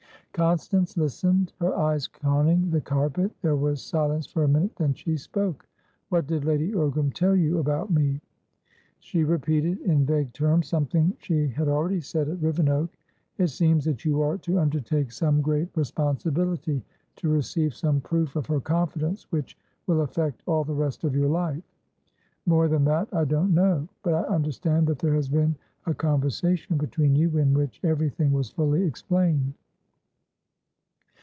Constance listened, her eyes conning the carpet. There was silence for a minute, then she spoke. "What did Lady Ogram tell you about me?" "She repeated in vague terms something she had already said at Rivenoak. It seems that you are to undertake some great responsibilityto receive some proof of her confidence which will affect all the rest of your life. More than that I don't know, but I understand that there has been a conversation between you, in which everything was fully explained."